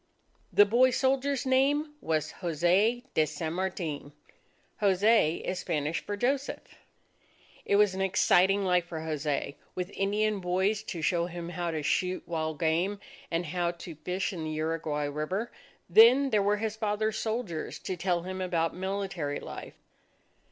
The boy soldier's name was Jose de San Martin. Jose, is Spanish for Joseph. It was an exciting life for Jose, with Indian boys to show him how to shoot wild game, and how to fish in the Uruguay River. Then, there were his father's soldiers to tell him about military life.